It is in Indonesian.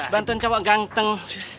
bantuin cowok ganteng